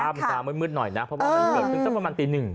ภาพมันตามืดหน่อยนะเพราะว่าตอนนั้นถึงสักประมาณตีหนึ่ง